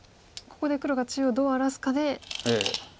ここで黒を中央どう荒らすかで。